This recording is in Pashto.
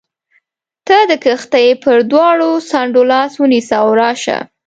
ته د کښتۍ پر دواړو څنډو لاس ونیسه او راشه.